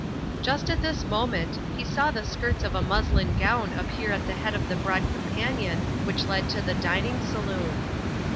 Just at this moment, he saw the skirts of a muslin gown appear at the head of the broad companion which led to the dining saloon.